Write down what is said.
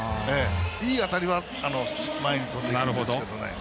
いい当たりは前に飛んでいくんですけどね。